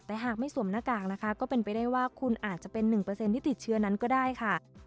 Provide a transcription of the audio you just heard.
แต่หากไม่สวมหน้ากากนะคะก็เป็นไปได้ว่าคุณอาจจะเป็น๑ที่ติดเชื้อนั้นก็ได้ค่ะ